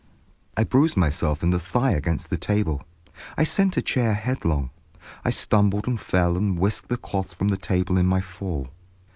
I bruised myself in the thigh against the table, I sent a chair headlong, I stumbled and fell and whisked the cloth from the table in my fall.